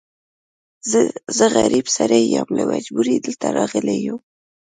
زه غريب سړی يم، له مجبوری دلته راغلی يم.